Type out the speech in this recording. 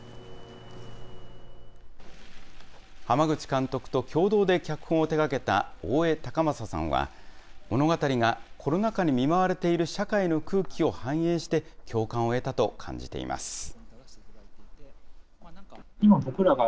濱口監督と共同で脚本を手がけた大江崇允さんは、物語がコロナ禍に見舞われている社会の空気を反映して、共感を得たと感じています。